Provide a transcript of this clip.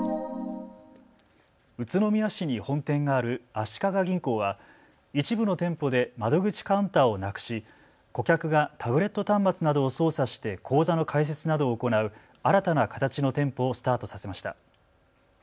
宇都宮市に本店がある足利銀行は一部の店舗で窓口カウンターをなくし顧客がタブレット端末などを操作して口座の開設などを行う新たな形の店舗をスタートさせました。